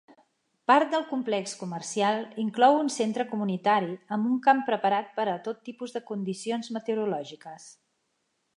Part del complex comercial inclou un centre comunitari amb un camp preparat per a tot tipus de condicions meteorològiques.